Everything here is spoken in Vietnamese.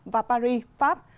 và paris pháp